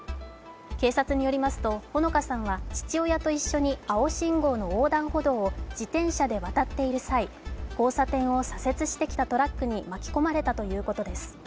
警察によりますと、穂香さんは父親と一緒に青信号の横断歩道を自転車でわたっている際、交差点を左折してきたトラックに巻き込まれたということです。